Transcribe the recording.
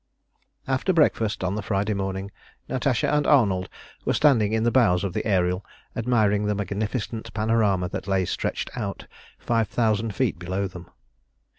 After breakfast on the Friday morning, Natasha and Arnold were standing in the bows of the Ariel, admiring the magnificent panorama that lay stretched out five thousand feet below them.